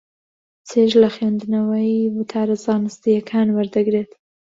چێژ لە خوێندنەوەی وتارە زانستییەکان وەردەگرێت.